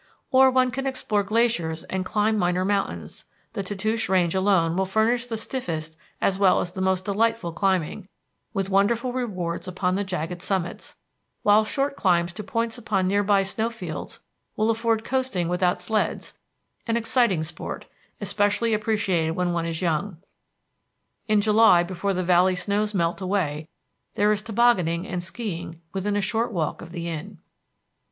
Or one can explore glaciers and climb minor mountains; the Tatoosh Range alone will furnish the stiffest as well as the most delightful climbing, with wonderful rewards upon the jagged summits; while short climbs to points upon near by snow fields will afford coasting without sleds, an exciting sport, especially appreciated when one is young. In July, before the valley snows melt away, there is tobogganing and skiing within a short walk of the Inn.